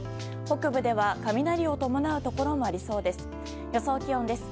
北部では雷を伴うところもありそうです。